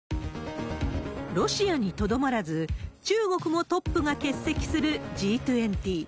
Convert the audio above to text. ロシアにとどまらず、中国もトップが欠席するＧ２０。